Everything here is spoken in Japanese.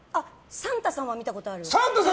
サンタさん見たことある！